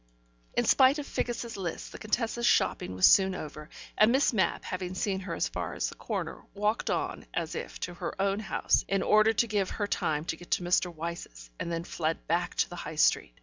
In spite of Figgis's list, the Contessa's shopping was soon over, and Miss Mapp having seen her as far as the corner, walked on, as if to her own house, in order to give her time to get to Mr. Wyse's, and then fled back to the High Street.